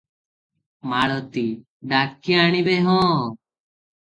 ମାଳତୀ- ଡାକି ଆଣିବେ ହଁ!